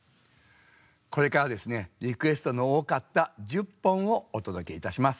これからですねリクエストの多かった１０本をお届けいたします。